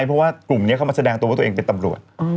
เพราะว่ากลุ่มนี้เข้ามาแสดงตัวว่าตัวเองเป็นตำรวจ